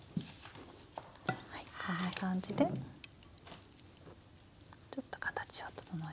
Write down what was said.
こんな感じでちょっと形を整えます。